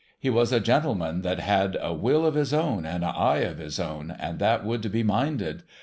He was a gentleman that had a will of his own and a eye of his own, and that would be minded.